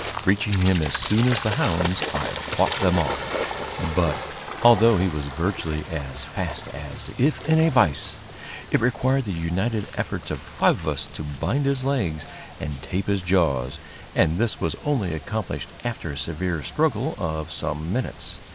Reaching him as soon as the hounds, I fought them off; but, although he was virtually as fast as if in a vise, it required the united efforts of five of us to bind his legs and tape his jaws, and this was only accomplished after a severe struggle of some minutes.